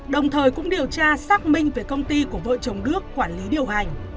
đồng thời cũng điều tra xác minh về công ty của vợ chồng đức quản lý điều hành